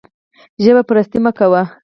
ژب پرستي مه کوئ